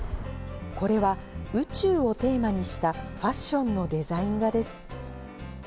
これは宇宙をテーマにしたファッションのデザイン画です。